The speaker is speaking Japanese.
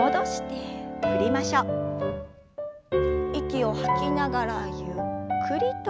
息を吐きながらゆっくりと。